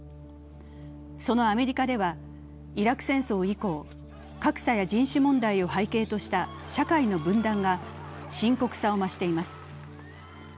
そのアメリカでは、イラク戦争以降格差や人種問題を背景とした社会の分断が深刻さを増しています。